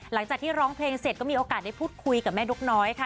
หลังจากที่ร้องเพลงเสร็จก็มีโอกาสได้พูดคุยกับแม่นกน้อยค่ะ